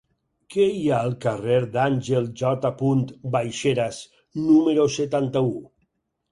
Què hi ha al carrer d'Àngel J. Baixeras número setanta-u?